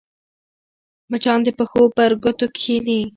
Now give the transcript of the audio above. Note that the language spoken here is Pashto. مچان د پښو پر ګوتو کښېني